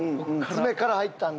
爪から入ったんだ。